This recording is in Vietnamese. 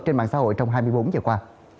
trên mạng xã hội trong hai mươi bốn giờ qua